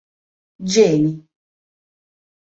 ĝeni